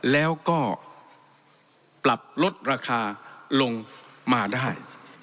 แล้วก็ปรับลดราคาลงมาได้